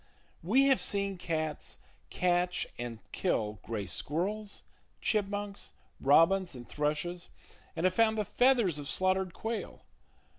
We have seen cats catch and kill gray squirrels, chipmunks, robins and thrushes, and have found the feathers of slaughtered quail.